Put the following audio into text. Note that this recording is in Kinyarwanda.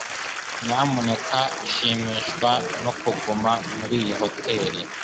Nyamuneka shimishwa no kuguma muri iyi hoteri.